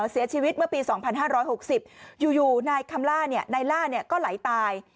เสียชีวิตเมื่อปี๒๕๖๐อยู่นายคำล่านายล่าก็ไหลตาย